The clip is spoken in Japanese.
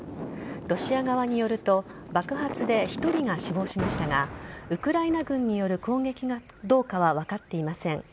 ロシア側によると爆発で１人が死亡しましたがウクライナ軍による攻撃かどうかは分かっていません。